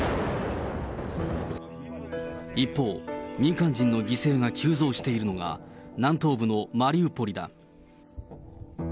一方、民間人の犠牲が急増しているのが、南東部のマリウポリだ。